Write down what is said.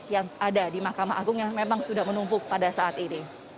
yang ada di mahkamah agung yang memang sudah menumpuk pada saat ini